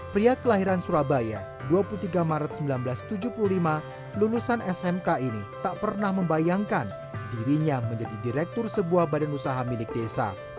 pria kelahiran surabaya dua puluh tiga maret seribu sembilan ratus tujuh puluh lima lulusan smk ini tak pernah membayangkan dirinya menjadi direktur sebuah badan usaha milik desa